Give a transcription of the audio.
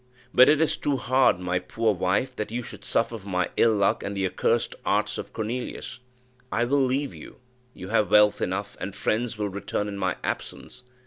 But it is too hard, my poor wife, that you should suffer for my ill luck and the accursed arts of Cornelius. I will leave you you have wealth enough, and friends will return in my absence.